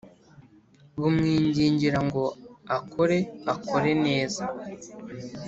bamwingingira ngo akore akore neza.